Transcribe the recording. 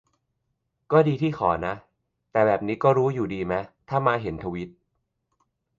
ก็ดีที่ขอนะ แต่แบบนี้ก็รู้อยู่ดีมะ ถ้ามาเห็นทวีต